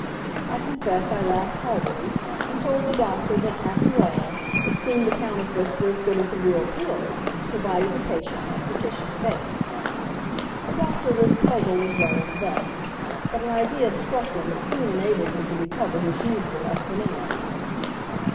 I confess I laughed heartily; and told the doctor that, after all, it seemed the counterfeits were as good as the real pills, provided the patient had sufficient faith. The doctor was puzzled as well as vexed, but an idea struck him that soon enabled him to recover his usual equanimity.